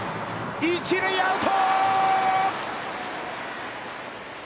一塁、アウト！